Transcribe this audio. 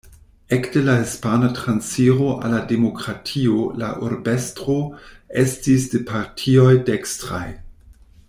Ekde la Hispana transiro al la demokratio la urbestro estis de partioj dekstraj.